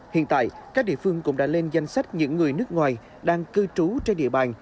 hiện tại các địa phương cũng đã lên danh sách những người nước ngoài đang cư trú trên địa bàn